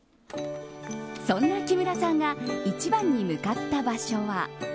そんな木村さんが一番に向かった場所は。